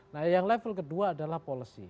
nah yang level kedua adalah policy